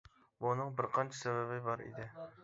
بۇنىڭ بىر قانچە سەۋەبى بار ئىدى.